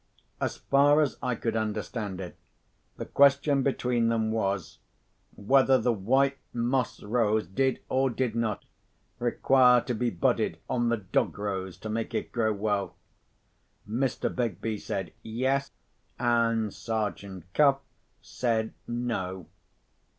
As far as I could understand it, the question between them was, whether the white moss rose did, or did not, require to be budded on the dog rose to make it grow well. Mr. Begbie said, Yes; and Sergeant Cuff said, No.